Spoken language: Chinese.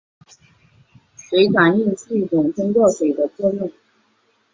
水转印是一种通过水的作用将平面印刷的图文转印至不同材质物体表面的技术。